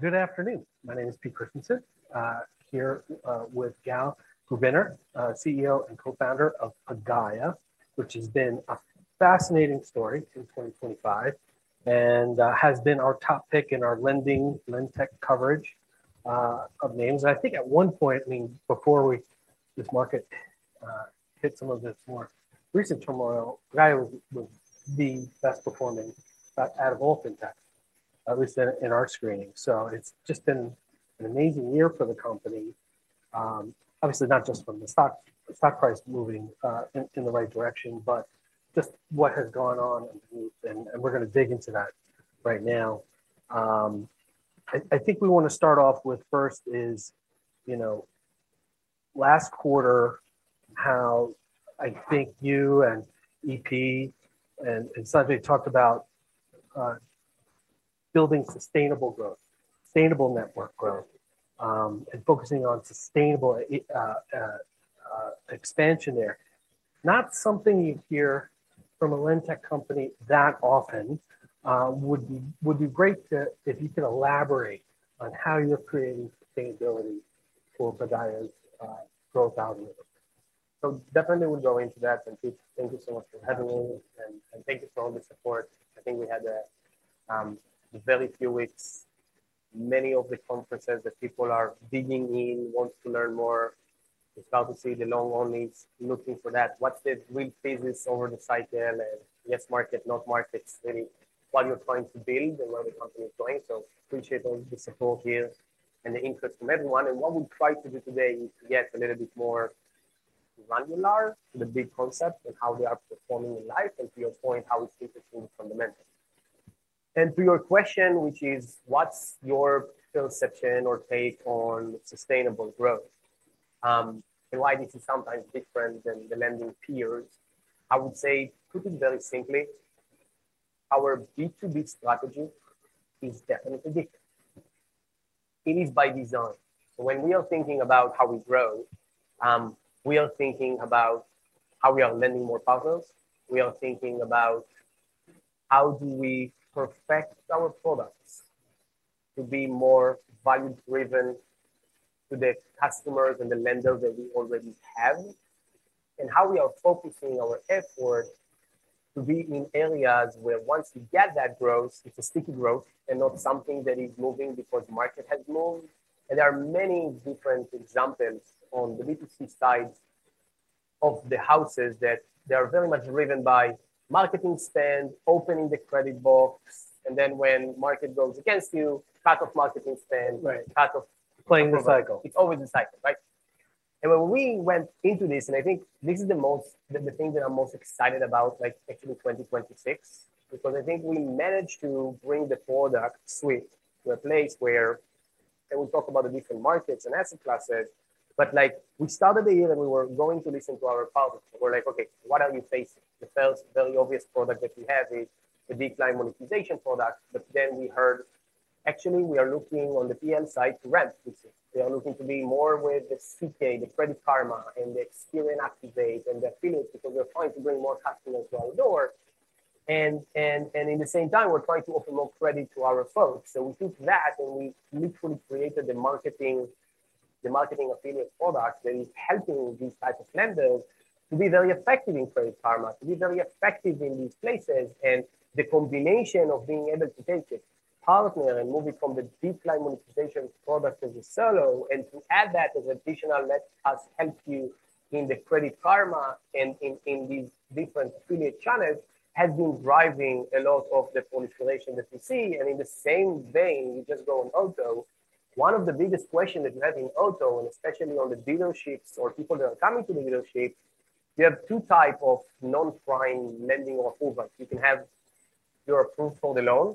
Good afternoon. My name is Pete Christensen, here with Gal Krubiner, CEO and co-founder of Pagaya, which has been a fascinating story since 2025 and has been our top pick in our lending lend tech coverage of names. I think at one point, I mean, before this market hit some of the more recent turmoil, Pagaya was the best performing out of all fintechs, at least in our screening. It has just been an amazing year for the company, obviously not just from the stock price moving in the right direction, but just what has gone on underneath. We are going to dig into that right now. I think we want to start off with first is, you know, last quarter, how I think you and EP and Sanjiv talked about building sustainable growth, sustainable network growth, and focusing on sustainable expansion there. Not something you hear from a lend tech company that often. Would be great if you could elaborate on how you're creating sustainability for Pagaya's growth algorithm. Definitely we'll go into that. Pete, thank you so much for having me. Thank you for all the support. I think we had very few weeks, many of the conferences that people are digging in, want to learn more, especially the long-only looking for that. What's the real thesis over the cycle? Yes, market, not markets, really, what you're trying to build and where the company is going. Appreciate all the support here and the interest from everyone. What we'll try to do today is to get a little bit more granular to the big concept and how they are performing in life and, to your point, how it's interesting fundamentally. To your question, which is, what's your perception or take on sustainable growth? Why this is sometimes different than the lending peers? I would say, to put it very simply, our B2B strategy is definitely different. It is by design. When we are thinking about how we grow, we are thinking about how we are lending more partners. We are thinking about how do we perfect our products to be more value-driven to the customers and the lenders that we already have, and how we are focusing our effort to be in areas where once you get that growth, it's a sticky growth and not something that is moving because the market has moved. There are many different examples on the B2C side of the houses that they are very much driven by marketing spend, opening the credit box, and then when market goes against you, cut off marketing spend, cut off. Playing the cycle. It's always the cycle, right? When we went into this, and I think this is the thing that I'm most excited about, like actually 2026, because I think we managed to bring the product suite to a place where we talk about the different markets and asset classes. We started the year and we were going to listen to our partners. We're like, okay, what are you facing? The first very obvious product that you have is the Decline Monetization product. Then we heard, actually, we are looking on the PL side to rent. They are looking to be more with the CK, the Credit Karma, and the Experian Activate and the affiliates because we're trying to bring more customers to our door. In the same time, we're trying to open more credit to our folks. We took that and we literally created the Marketing Affiliate product that is helping these types of lenders to be very effective in Credit Karma, to be very effective in these places. The combination of being able to take it, partner, and move it from the Decline Monetization product as a solo, and to add that as additional, let us help you in the Credit Karma and in these different affiliate channels has been driving a lot of the proliferation that we see. In the same vein, we just go on auto. One of the biggest questions that you have in auto, and especially on the dealerships or people that are coming to the dealership, you have two types of non-prime lending or approval. You can have your approval for the loan,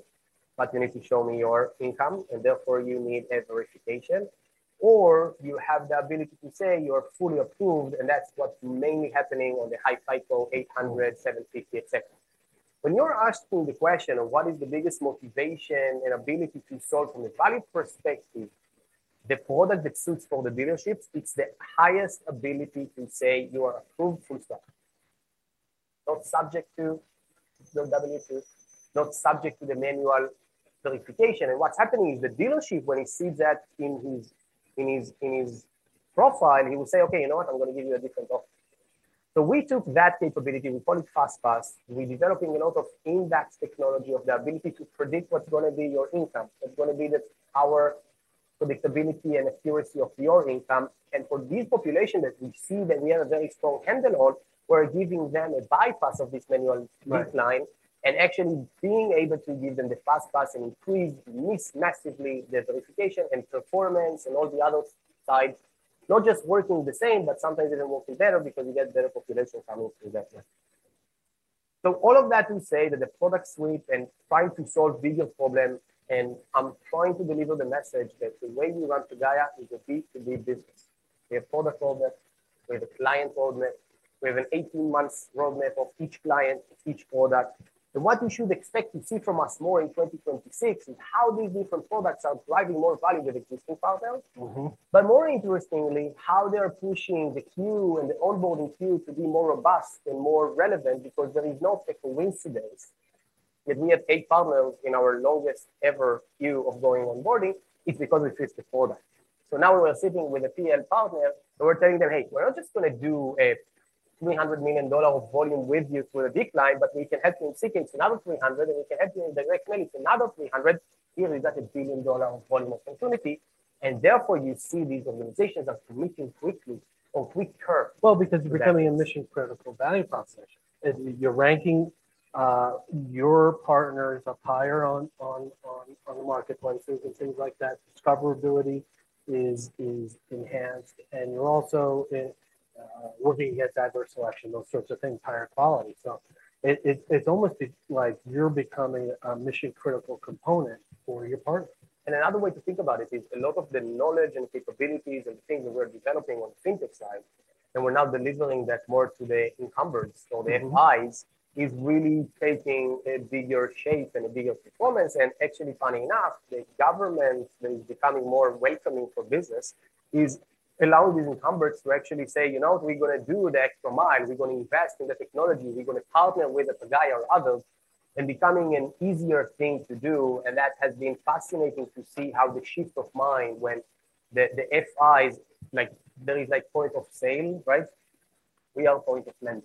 but you need to show me your income, and therefore you need a verification. You have the ability to say you are fully approved, and that's what's mainly happening on the high cycle, 800, 750, etc. When you're asking the question of what is the biggest motivation and ability to solve from a value perspective, the product that suits for the dealerships, it's the highest ability to say you are approved full stop. Not subject to W-2, not subject to the manual verification. What's happening is the dealership, when he sees that in his profile, he will say, okay, you know what, I'm going to give you a different offer. We took that capability, we call it FastPass, we're developing a lot of index technology of the ability to predict what's going to be your income, what's going to be the power, predictability, and accuracy of your income. For this population that we see that we have a very strong handle on, we're giving them a bypass of this manual decline. Actually being able to give them the FastPass and increase massively the verification and performance and all the other sides, not just working the same, but sometimes even working better because you get better population coming through that way. All of that to say that the product suite and trying to solve bigger problems, and I'm trying to deliver the message that the way we run Pagaya is a B2B business. We have product roadmap, we have a client roadmap, we have an 18-month roadmap of each client, each product. What you should expect to see from us more in 2026 is how these different products are driving more value with existing partners, but more interestingly, how they're pushing the queue and the onboarding queue to be more robust and more relevant because there is no coincidence that we have eight partners in our longest ever queue of going onboarding. It's because we fit the product. Now we're sitting with a PL partner and we're telling them, hey, we're not just going to do $300 million of volume with you through the decline, but we can help you in seeking another $300 million, and we can help you in direct mailing another $300 million. Here is that $1 billion volume of continuity. Therefore you see these organizations are committing quickly on quick curve. Because you're becoming a mission critical value proposition. You're ranking your partners up higher on the marketplaces and things like that. Discoverability is enhanced. You're also working against adverse selection, those sorts of things, higher quality. It's almost like you're becoming a mission critical component for your partner. Another way to think about it is a lot of the knowledge and capabilities and things that we're developing on the fintech side, and we're now delivering that more to the incumbents. The FIs is really taking a bigger shape and a bigger performance. Actually, funny enough, the government that is becoming more welcoming for business is allowing these incumbents to actually say, you know what, we're going to do the extra mile. We're going to invest in the technology. We're going to partner with a Pagaya or others. Becoming an easier thing to do. That has been fascinating to see how the shift of mind when the FIs, like there is like point of sale, right? We are point of lending.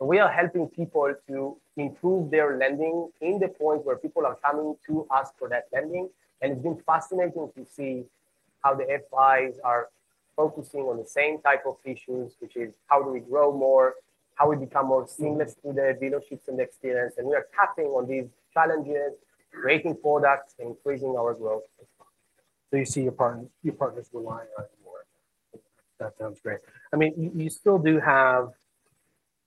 We are helping people to improve their lending in the point where people are coming to us for that lending. It has been fascinating to see how the FIs are focusing on the same type of issues, which is how do we grow more, how we become more seamless to the dealerships and the experience. We are tapping on these challenges, creating products, and increasing our growth. You see your partners relying on you more. That sounds great. I mean, you still do have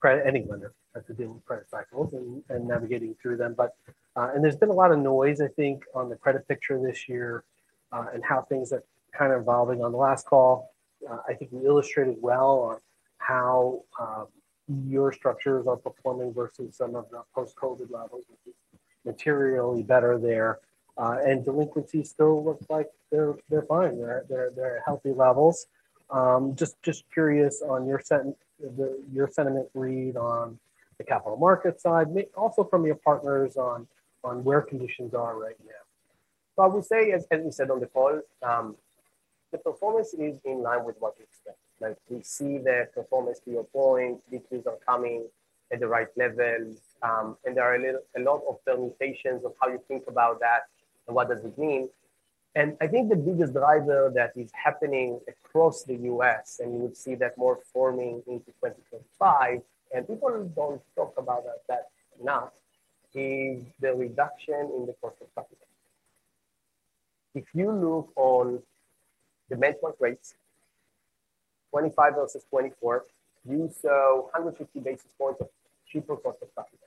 credit, any lender has to deal with credit cycles and navigating through them. There's been a lot of noise, I think, on the credit picture this year and how things are kind of evolving. On the last call, I think you illustrated well how your structures are performing versus some of the post-COVID levels, which is materially better there. Delinquency still looks like they're fine. They're at healthy levels. Just curious on your sentiment read on the capital market side, also from your partners on where conditions are right now. I would say, as you said on the call, the performance is in line with what we expect. We see that performance to your point, VQs are coming at the right level. There are a lot of permutations of how you think about that and what does it mean. I think the biggest driver that is happening across the U.S., and you would see that more forming into 2025, and people do not talk about that enough, is the reduction in the cost of capital. If you look on the benchmark rates, 2025 versus 2024, you saw 150 basis points of cheaper cost of capital.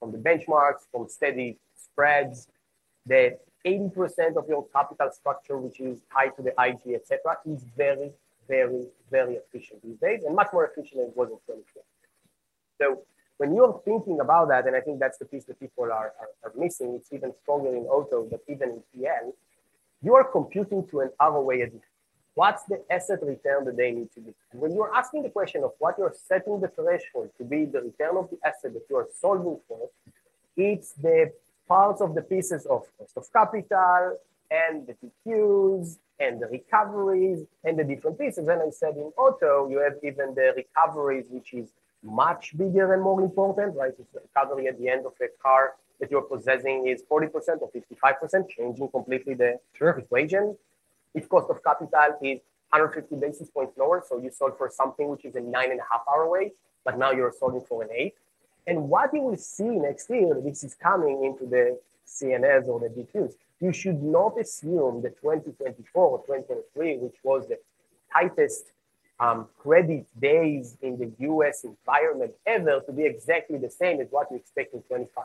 From the benchmarks, from steady spreads, the 80% of your capital structure, which is tied to the IG, etc., is very, very, very efficient these days and much more efficient than it was in 2020. When you are thinking about that, and I think that's the piece that people are missing, it's even stronger in auto, but even in PL, you are computing to another way of this. What's the asset return that they need to be? When you're asking the question of what you're setting the threshold to be, the return of the asset that you are solving for, it's the parts of the pieces of cost of capital and the VQs and the recoveries and the different pieces. I said in auto, you have even the recoveries, which is much bigger and more important, right? It's the recovery at the end of a car that you're possessing is 40% or 55%, changing completely the equation. If cost of capital is 150 basis points lower, so you sold for something which is a nine and a half hour way, but now you're solving for an eight. What you will see next year, this is coming into the CNS or the VQs, you should not assume that 2024 or 2023, which was the tightest credit days in the U.S. environment ever, to be exactly the same as what you expect in 2025.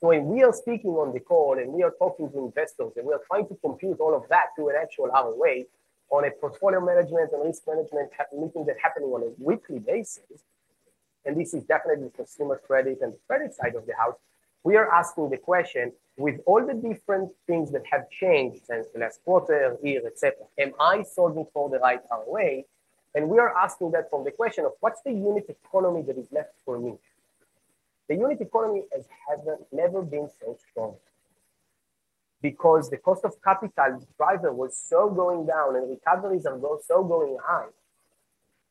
When we are speaking on the call and we are talking to investors and we are trying to compute all of that to an actual other way on a portfolio management and risk management meeting that's happening on a weekly basis, this is definitely consumer credit and the credit side of the house. We are asking the question with all the different things that have changed since the last quarter, year, etc., am I solving for the right ROA? We are asking that from the question of what's the unit economy that is left for me. The unit economy has never been so strong because the cost of capital driver was so going down and recoveries are so going high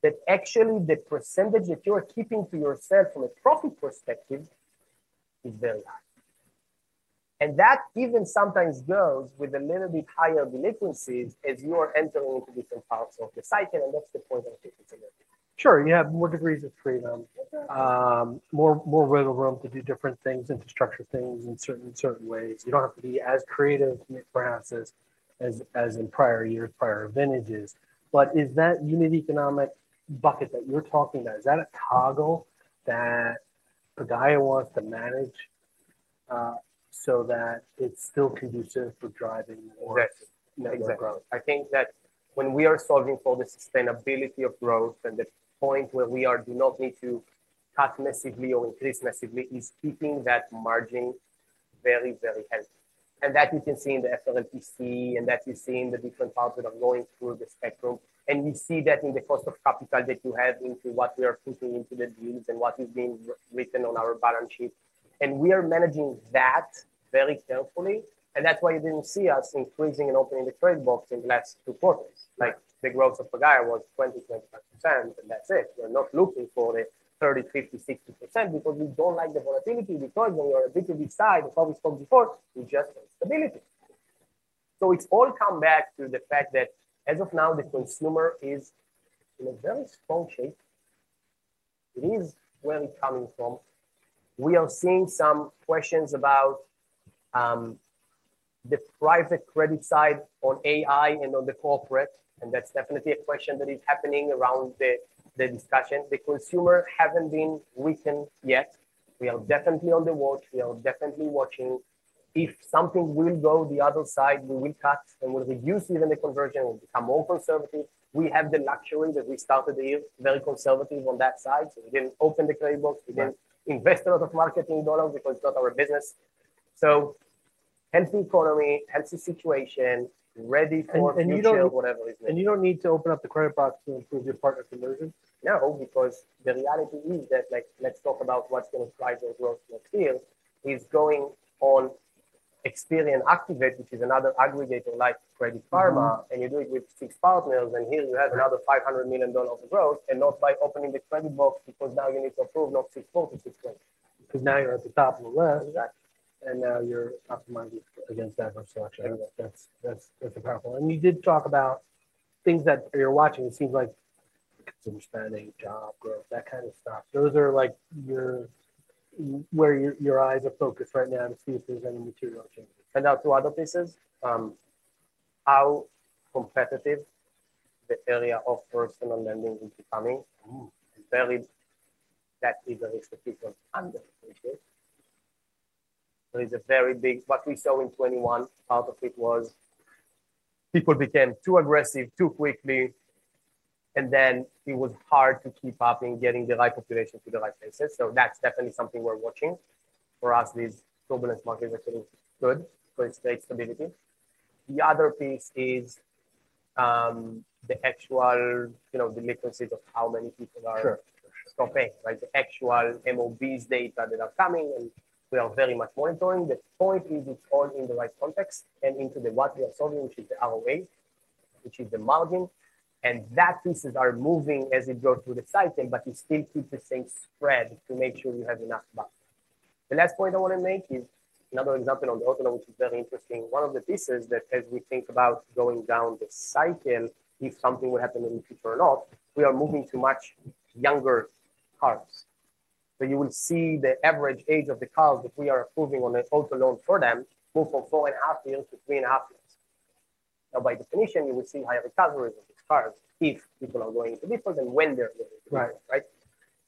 that actually the percentage that you are keeping to yourself from a profit perspective is very high. That even sometimes goes with a little bit higher delinquencies as you are entering into different parts of the cycle. That's the point I'm taking from this. Sure. You have more degrees of freedom, more wiggle room to do different things, infrastructure things in certain ways. You do not have to be as creative perhaps as in prior years, prior vintages. Is that unit economic bucket that you are talking about, is that a toggle that Pagaya wants to manage so that it is still conducive for driving network growth? Exactly. I think that when we are solving for the sustainability of growth and the point where we do not need to cut massively or increase massively, it is keeping that margin very, very healthy. That you can see in the FLNPC and that you see in the different parts that are going through the spectrum. You see that in the cost of capital that you have into what we are putting into the deals and what is being written on our balance sheet. We are managing that very carefully. That is why you did not see us increasing and opening the trade box in the last two quarters. The growth of Pagaya was 20%-25%, and that is it. We are not looking for the 30%, 50%, 60% because we do not like the volatility. We told you, we are a bit to the side of what we spoke before. We just want stability. It is all come back to the fact that as of now, the consumer is in a very strong shape. It is where it is coming from. We are seeing some questions about the private credit side on AI and on the corporate. That is definitely a question that is happening around the discussion. The consumer has not been written yet. We are definitely on the watch. We are definitely watching. If something will go the other side, we will cut and we will reduce even the conversion and we will become more conservative. We have the luxury that we started the year very conservative on that side. We did not open the trade box. We did not invest a lot of marketing dollars because it is not our business. Healthy economy, healthy situation, ready for future, whatever it may be. You do not need to open up the credit box to improve your partner conversion. No, because the reality is that let's talk about what's going to drive your growth next year. It's going on Experian Activate, which is another aggregator like Credit Karma, and you do it with six partners, and here you have another $500 million of growth. Not by opening the credit box because now you need to approve not six boats, six credits. Because now you're at the top of the list. Exactly. You're optimizing against that for selection. That's powerful. You did talk about things that you're watching. It seems like consumer spending, job growth, that kind of stuff. Those are where your eyes are focused right now to see if there's any material changes. Also, other pieces, how competitive the area of personal lending is becoming. That is a very strategic undefined issue. There is a very big, what we saw in 2021, part of it was people became too aggressive too quickly, and then it was hard to keep up in getting the right population to the right places. That is definitely something we are watching. For us, these turbulence markets are getting good for estate stability. The other piece is the actual delinquencies of how many people are stopping, right? The actual MOBs data that are coming, and we are very much monitoring. The point is it is all in the right context and into what we are solving, which is the ROA, which is the margin. Those pieces are moving as it goes through the cycle, but you still keep the same spread to make sure you have enough buffer. The last point I want to make is another example on the auto loan, which is very interesting. One of the pieces that as we think about going down the cycle, if something will happen in the future or not, we are moving to much younger cars. You will see the average age of the cars that we are approving on the auto loan for them move from four and a half years to three and a half years. Now, by definition, you will see higher recovery of these cars if people are going into VCOs and when they're going into VCOs, right?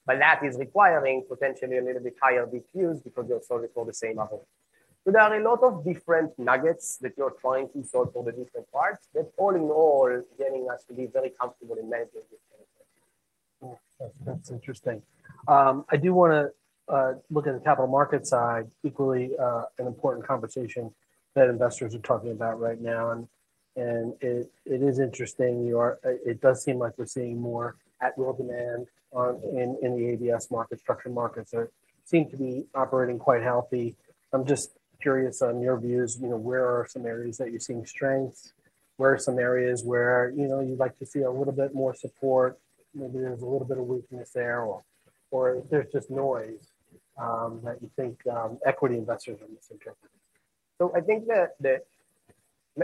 That is requiring potentially a little bit higher VQs because they're sold for the same amount. There are a lot of different nuggets that you're trying to sort for the different parts that all in all are getting us to be very comfortable in managing this kind of thing. That's interesting. I do want to look at the capital market side, equally an important conversation that investors are talking about right now. It is interesting. It does seem like we're seeing more at-will demand in the ABS market, structured markets that seem to be operating quite healthy. I'm just curious on your views, where are some areas that you're seeing strengths? Where are some areas where you'd like to see a little bit more support? Maybe there's a little bit of weakness there or there's just noise that you think equity investors are missing? I think that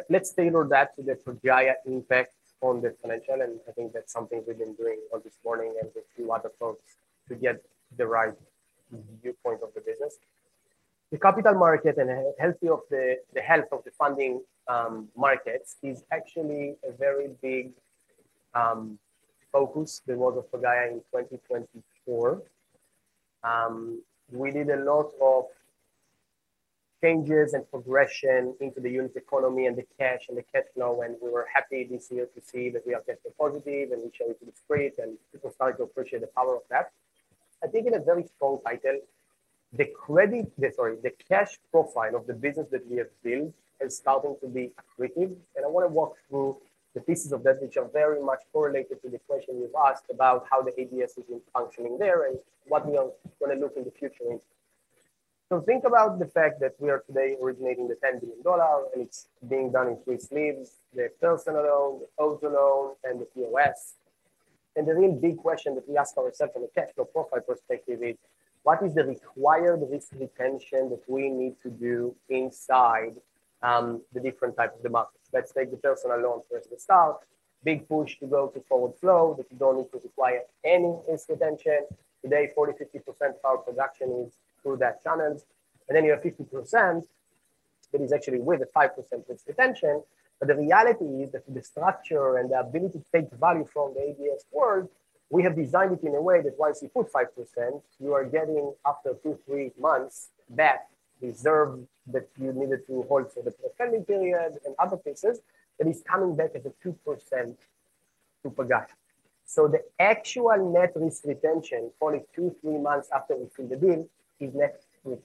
let's tailor that to the Pagaya impact on the financial. I think that's something we've been doing this morning and with a few other folks to get the right viewpoint of the business. The capital market and the health of the funding markets is actually a very big focus of Pagaya in 2024. We did a lot of changes and progression into the unit economy and the cash and the cash flow. We were happy this year to see that we are cash flow positive and we show it to the script and people started to appreciate the power of that. I think in a very strong title, the credit, sorry, the cash profile of the business that we have built has started to be accretive. I want to walk through the pieces of that which are very much correlated to the question you've asked about how the ABS has been functioning there and what we are going to look in the future into. Think about the fact that we are today originating the $10 billion and it's being done in three sleeves, the personal loan, the auto loan, and the POS. The real big question that we ask ourselves from a cash flow profile perspective is what is the required risk retention that we need to do inside the different types of the markets? Let's take the personal loan first to start, big push to go to forward flow that you don't need to require any risk retention. Today, 40-50% of our production is through that channel. Then you have 50% that is actually with a 5% risk retention. The reality is that the structure and the ability to take value from the ABS world, we have designed it in a way that once you put 5%, you are getting after two, three months back reserve that you needed to hold for the prepending period and other pieces that is coming back as a 2% to Pagaya. The actual net risk retention for the two, three months after we see the deal is net risk.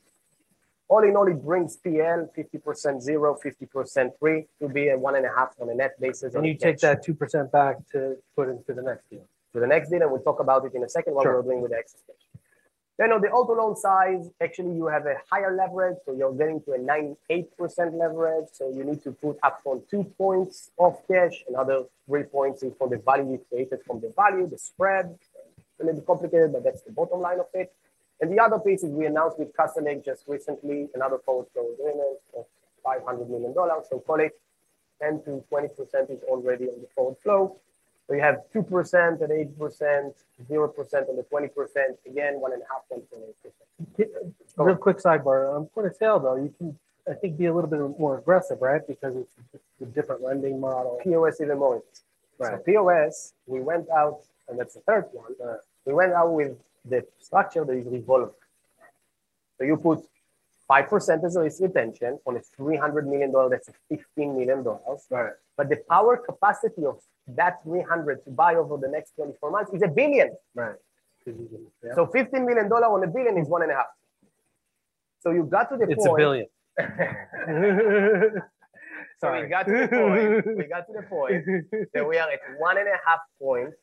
All in all, it brings PL 50% zero, 50% free to be a one and a half on a net basis. You take that 2% back to put into the next deal. To the next deal. We'll talk about it in a second while we're dealing with the excess cash. On the auto loan side, actually you have a higher leverage. You're getting to a 98% leverage. You need to put up from two points of cash and another three points is for the value you created from the value, the spread. It's a little bit complicated, but that's the bottom line of it. The other piece is we announced with CustomEdge just recently another forward flow agreement of $500 million. Call it 10-20% is already on the forward flow. You have 2% at 80%, 0% on the 20%, again, one and a half, 28%. Real quick sidebar. On point-of-sale though, you can, I think, be a little bit more aggressive, right? Because it's a different lending model. POS even more. POS, we went out, and that's the third one. We went out with the structure that is revolving. You put 5% as a risk retention on a $300 million, that's $15 million. The power capacity of that $300 million to buy over the next 24 months is $1 billion. $15 million on $1 billion is 1.5%. You got to the point. It's a billion. We got to the point that we are at one and a half points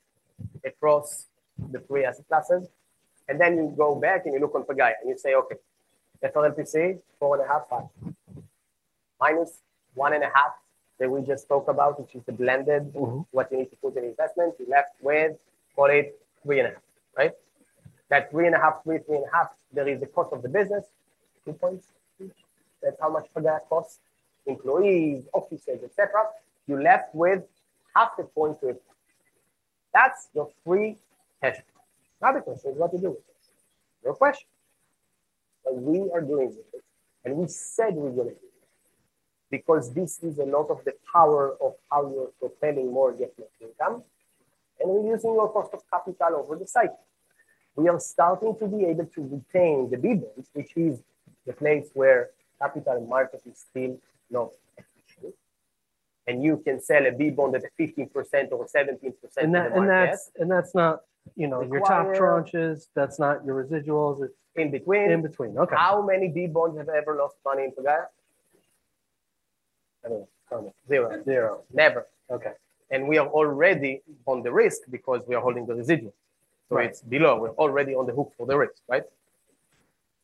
across the three asset classes. You go back and you look on Pagaya and you say, okay, FLNPC, four and a half, five. Minus one and a half that we just spoke about, which is the blended, what you need to put in investment, you are left with, call it three and a half, right? That three and a half, three, three and a half, there is the cost of the business, two points each. That is how much Pagaya costs, employees, offices, etc. You are left with half a point to a point. That is your free cash flow. Now the question is what to do with it. Your question. We are doing this. We said we're going to do this because this is a lot of the power of how you're propelling more yet more income. We're using your cost of capital over the cycle. We are starting to be able to retain the B-bonds, which is the place where capital market is still not efficient. You can sell a B-bond at a 15% or 17% leverage. That is not your top tranches. That is not your residuals. In between. In between. Okay. How many B-bonds have ever lost money in Pagaya? Zero. Zero. Never. Okay. We are already on the risk because we are holding the residual. It's below. We're already on the hook for the risk, right?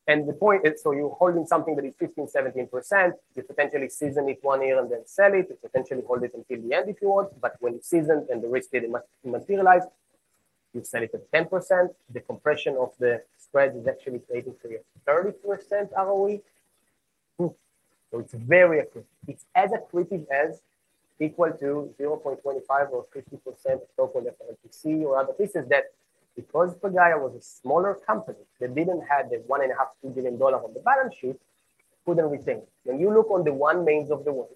The point is, you're holding something that is 15%-17%. You potentially season it one year and then sell it. You potentially hold it until the end if you want. When you season and the risk materialized, you sell it at 10%. The compression of the spread is actually creating for you a 30% ROE. It's very accretive. It's as accretive as equal to 0.25 or 50% of stock on FLNPC or other pieces that, because Pagaya was a smaller company that didn't have the $1.5 billion-$2 billion on the balance sheet, couldn't retain. When you look on the OneMain Financials of the world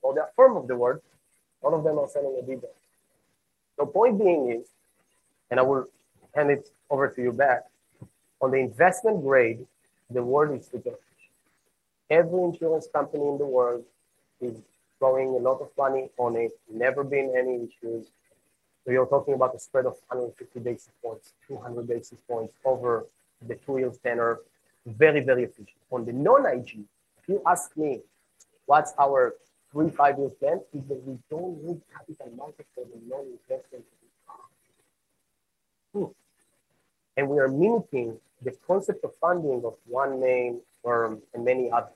or the Affirm of the world, all of them are selling a B-bond. Point being is, and I will hand it over to you back, on the investment grade, the world is super efficient. Every insurance company in the world is throwing a lot of money on it. Never been any issues. You are talking about a spread of 150 basis points, 200 basis points over the two-year tenor, very, very efficient. On the non-IG, if you ask me what is our three, five-year plan, it is that we do not need capital market for the non-investment. We are mimicking the concept of funding of OneMain Financial and many others.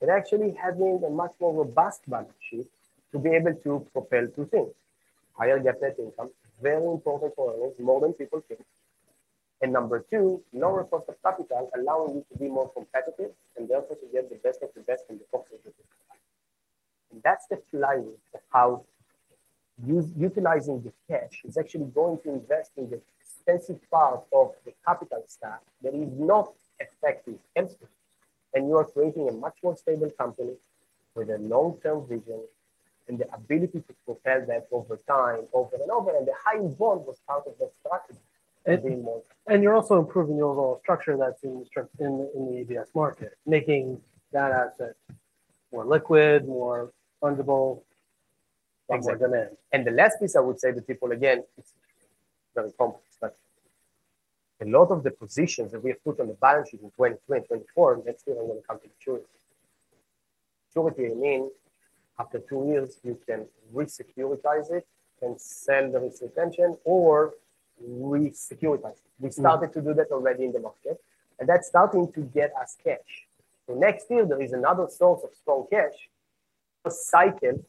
It actually has been a much more robust balance sheet to be able to propel two things. Higher GAAP net income, very important for earnings, more than people think. Number two, lower cost of capital allowing you to be more competitive and therefore to get the best of the best in the cost of the business. That is the flywheel of how utilizing the cash is actually going to invest in the extensive part of the capital stack that is not affecting anything. You are creating a much more stable company with a long-term vision and the ability to propel that over time, over and over. The high bond was part of the strategy of being more. You're also improving the overall structure that's in the ABS market, making that asset more liquid, more fungible. The last piece I would say to people, again, it's very complex, but a lot of the positions that we have put on the balance sheet in 2020, 2024, next year are going to come to maturity. Maturity, I mean, after two years, you can resecuritize it and sell the risk retention or resecuritize it. We started to do that already in the market. That's starting to get us cash. Next year, there is another source of strong cash. Cycle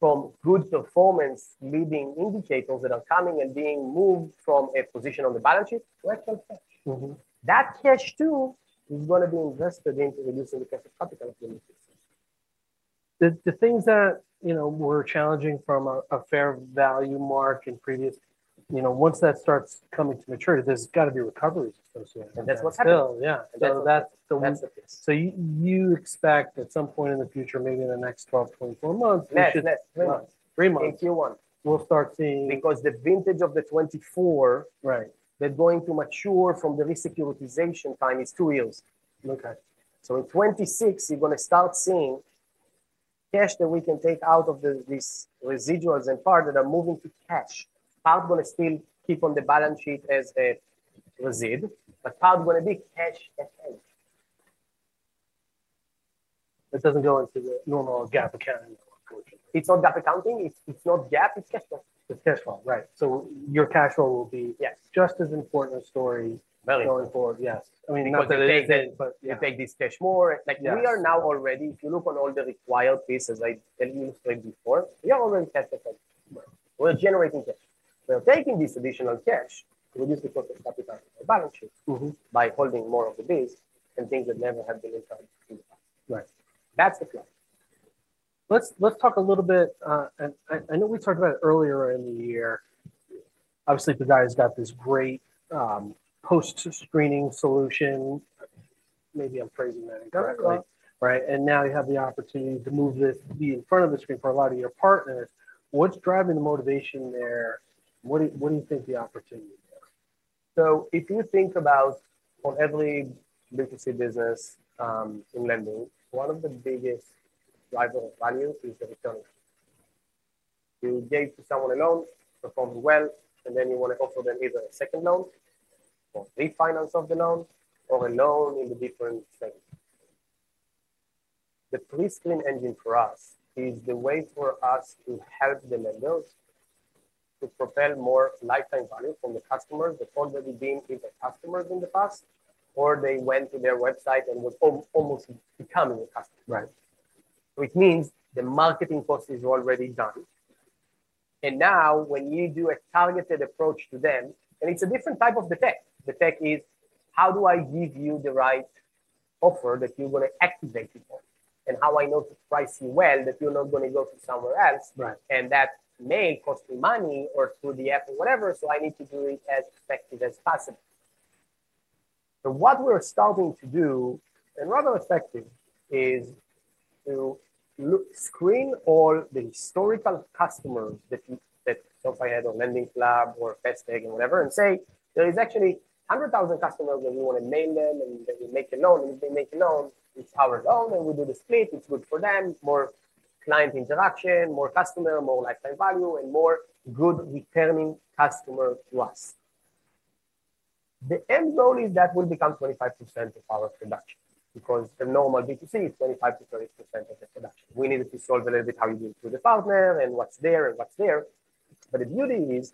from good performance leading indicators that are coming and being moved from a position on the balance sheet to actual cash. That cash too is going to be invested into reducing the cost of capital of the investment. The things that were challenging from a fair value mark in previous, once that starts coming to maturity, there's got to be recoveries associated. That's what's happening. Yeah. So you expect at some point in the future, maybe in the next 12, 24 months. Next three months. Three months. In Q1. We'll start seeing. Because the vintage of the '24, they're going to mature from the resecuritization time is two years. In 2026, you're going to start seeing cash that we can take out of these residuals and parts that are moving to cash. Parts are going to still keep on the balance sheet as a residual, but parts are going to be cash at end. That doesn't go into the normal GAAP accounting. It's not GAAP accounting. It's not GAAP. It's cash flow. It's cash flow, right? Your cash flow will be just as important a story going forward. Value. Yes. I mean. Because they take this cash more. We are now already, if you look on all the required pieces I illustrated before, we are already cash accounting. We're generating cash. We're taking this additional cash to reduce the cost of capital on our balance sheet by holding more of the base and things that never have been in charge in the past. That's the plan. Let's talk a little bit. I know we talked about it earlier in the year. Obviously, Pagaya has got this great post-screening solution. Maybe I'm phrasing that incorrectly. Correct. Right. You have the opportunity to move this to be in front of the screen for a lot of your partners. What's driving the motivation there? What do you think the opportunity is? If you think about on every legacy business in lending, one of the biggest drivers of value is the return on investment. You gave to someone a loan, performed well, and then you want to offer them either a second loan or refinance of the loan or a loan in a different setting. The Pre-screen Engine for us is the way for us to help the lenders to propel more lifetime value from the customers that already been either customers in the past or they went to their website and were almost becoming a customer. It means the marketing cost is already done. Now when you do a targeted approach to them, and it's a different type of the tech. The tech is how do I give you the right offer that you're going to activate it on and how I know to price you well that you're not going to go to somewhere else and that may cost me money or through the app or whatever. I need to do it as effective as possible. What we're starting to do and rather effective is to screen all the historical customers that so far had a LendingClub or Festech and whatever and say there is actually 100,000 customers that we want to name them and then we make a loan. If they make a loan, it's our loan and we do the split. It's good for them, more client interaction, more customer, more lifetime value, and more good returning customer to us. The end goal is that will become 25% of our production because the normal B2C is 25-30% of the production. We needed to solve a little bit how you do it with the partner and what's there and what's there. The beauty is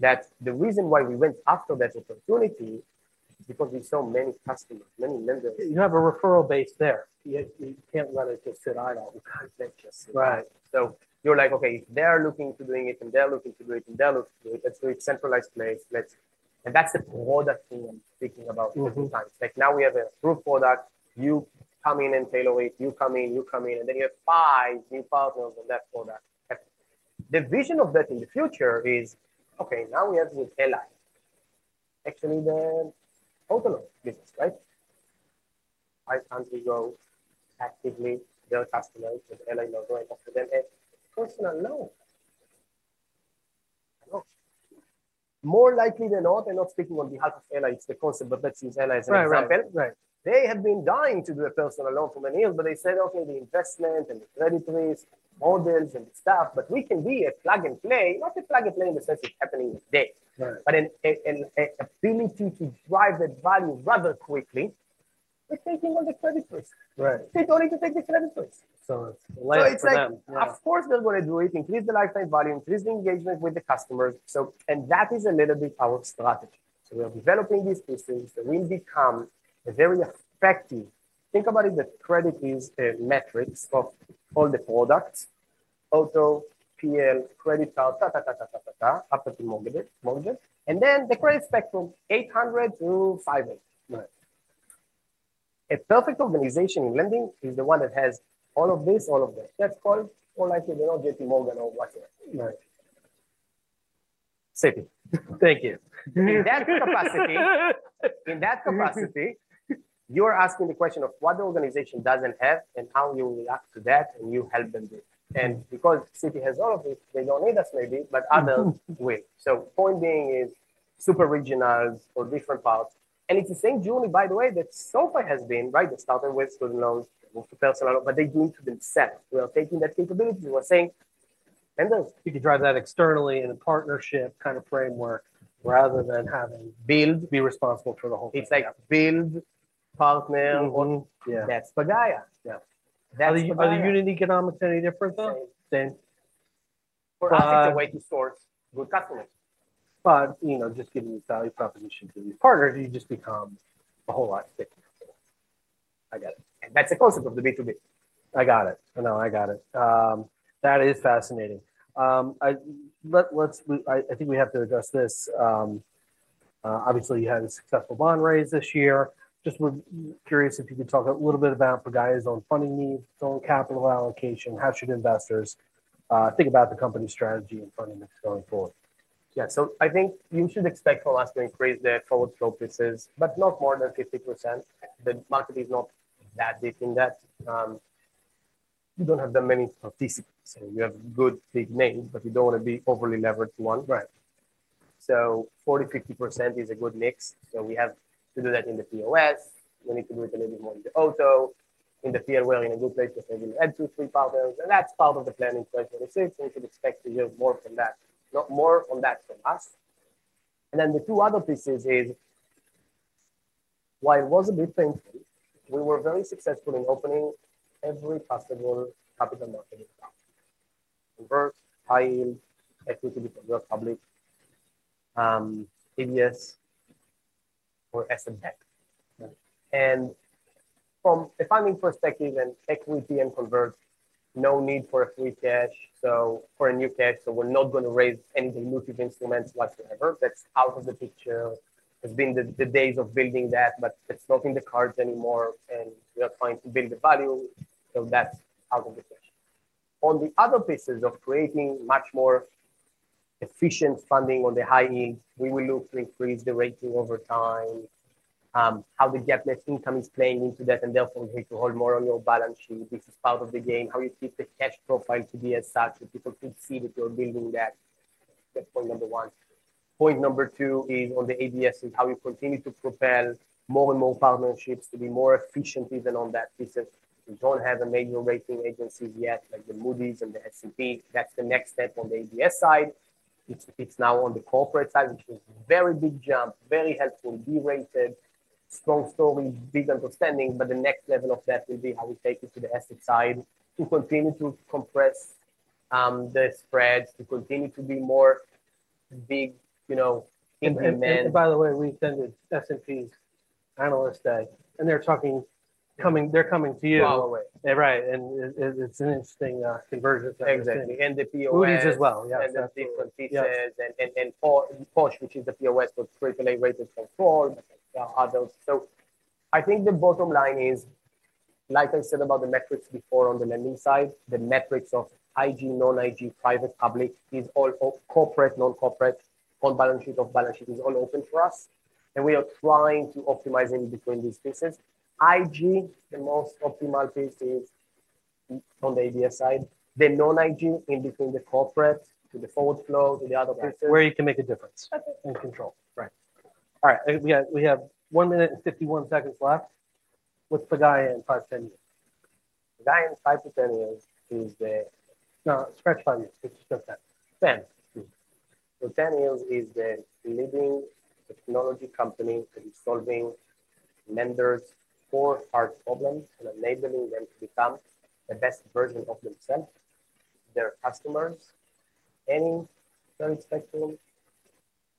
that the reason why we went after that opportunity is because we saw many customers, many lenders. You have a referral base there. You can't let it just sit idle. So you're like, okay, if they're looking into doing it and they're looking to do it, let's do it centralized place. That's the product team I'm speaking about all the time. Now we have a true product. You come in and tailor it. You come in, and then you have five new partners on that product. The vision of that in the future is, okay, now we have with Eli Northern, actually the auto loan business, right? Five countries go actively to their customers with Eli Northern and talk to them, hey, personal loan. More likely than not, and not speaking on behalf of Eli, it's the concept, but let's use Eli as an example. They have been dying to do a personal loan for many years, but they said, okay, the investment and the credit risk, models and stuff, but we can be a plug and play, not a plug and play in the sense it's happening today, but an ability to drive that value rather quickly with taking on the credit risk. They don't need to take the credit risk. It's like them. Of course, they're going to do it, increase the lifetime value, increase the engagement with the customers. That is a little bit our strategy. We are developing these pieces that will become a very effective, think about it, the credit is a matrix of all the products, auto, PL, credit card, ta ta ta ta ta ta ta, up to Morgan, Morgan, and then the credit spectrum 800 to 500. A perfect organization in lending is the one that has all of this, all of this. That's called more likely than not JPMorgan or whatever. Right. Citi. Thank you. In that capacity, you are asking the question of what the organization doesn't have and how you react to that and you help them do it. Because Citibank has all of this, they don't need us maybe, but others will. Point being is super regionals or different parts. It's the same journey, by the way, that SoFi has been, right? They started with student loans, they moved to personal, but they do it themselves. We are taking that capability. We're saying. Vendors. You could drive that externally in a partnership kind of framework rather than having build. Be responsible for the whole thing. It's like build partner. That's Pagaya. Are the unit economics any different though? Same. For us, it's a way to source good customers. Just giving you value proposition to these partners, you just become a whole lot thicker. I got it. That's the concept of the B2B. I got it. I know. I got it. That is fascinating. I think we have to address this. Obviously, you had a successful bond raise this year. Just curious if you could talk a little bit about Pagaya's own funding needs, its own capital allocation, how should investors think about the company's strategy and funding going forward? Yeah. I think you should expect for us to increase the forward focuses, but not more than 50%. The market is not that big in that. You do not have that many of these things. You have good big names, but you do not want to be overly leveraged one. So 40-50% is a good mix. We have to do that in the POS. We need to do it a little bit more in the auto. In the PL, we are in a good place to say we will add two, three partners. That is part of the plan in 2026. You should expect to build more from that, not more on that from us. The two other pieces are, while it was a bit painful, we were very successful in opening every possible capital market account: Convert, High Yield, Equity because we are public, EDS, or Asset Bank. From a funding perspective and equity and Convert, no need for free cash or new cash. We're not going to raise any dilutive instruments whatsoever. That's out of the picture. It's been the days of building that, but it's not in the cards anymore. We are trying to build the value. That's out of the picture. On the other pieces of creating much more efficient funding on the high yield, we will look to increase the rating over time, how the GAAP net income is playing into that, and therefore you need to hold more on your balance sheet. This is part of the game, how you keep the cash profile to be as such that people can see that you're building that. That's point number one. Point number two is on the ABS is how you continue to propel more and more partnerships to be more efficient even on that piece. We do not have a major rating agency yet, like the Moody's and the S&P. That is the next step on the ABS side. It is now on the corporate side, which is a very big jump, very helpful, derated, strong story, big understanding, but the next level of that will be how we take it to the asset side to continue to compress the spreads, to continue to be more big, you know, implement. By the way, we attended S&P's analyst day. They're talking, they're coming to you by the way. Right. It's an interesting convergence. Exactly. The POS. Moody's as well. Yes. The different pieces. Posh, which is the POS, but AAA rated from four others. I think the bottom line is, like I said about the metrics before on the lending side, the metrics of IG, non-IG, private, public, is all corporate, non-corporate, on balance sheet, off balance sheet, is all open for us. We are trying to optimize in between these pieces. IG, the most optimal piece is on the ABS side. The non-IG in between the corporate to the forward flow to the other pieces. Where you can make a difference and control. Right. All right. We have one minute and 51 seconds left. What's Pagaya in 5 to 10 years? Pagaya in 5 to 10 years is the. No, scratch funding. It's just that. Ten years is the leading technology company that is solving lenders' core heart problems and enabling them to become the best version of themselves, their customers, any service spectrum,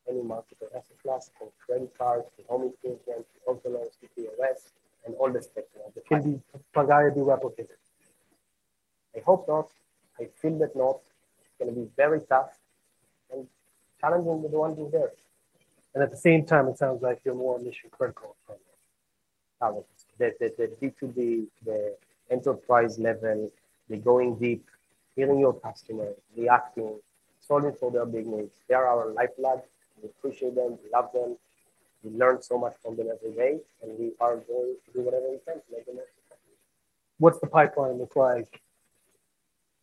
any market or asset class, from credit cards to home equity, to auto loans, to POS, and all the spectrum. Can Pagaya be replicated? I hope not. I feel that not. It's going to be very tough and challenging with the ones in there. At the same time, it sounds like you're more mission critical. The B2B, the enterprise level, the going deep, hearing your customers, reacting, solving for their big needs. They are our lifeblood. We appreciate them. We love them. We learn so much from them every day. We are going to do whatever we can to make them more successful. What's the pipeline look like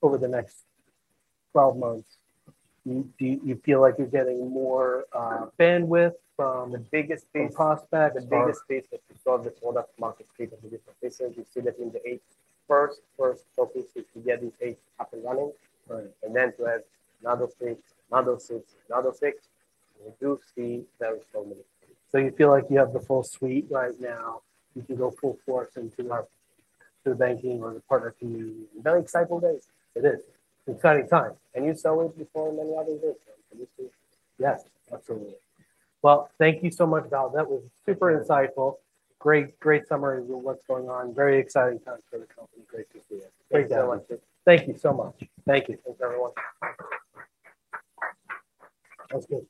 over the next 12 months? Do you feel like you're getting more bandwidth from the biggest piece? The biggest piece is to solve the product market piece of the different pieces. You see that the first focus is to get these eight up and running. Then to have another six, another six, another six. We do see very strongly. You feel like you have the full suite right now. You can go full force into our banking or the partner community. Very exciting days. It is. Exciting time. You saw it before in many other ways. Yes, absolutely. Thank you so much, Gal. That was super insightful. Great, great summary of what's going on. Very exciting time for the company. Great to see you. Thank you so much. Thank you so much. Thank you. Thanks, everyone. That's good.